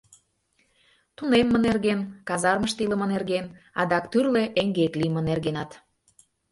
Тунемме нерген, казармыште илыме нерген, адак тӱрлӧ эҥгек лийме нергенат.